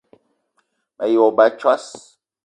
Me yi wa ba a tsoss!